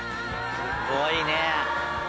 すごいね。